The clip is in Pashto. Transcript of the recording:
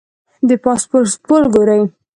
د باسفورس پل ګورې.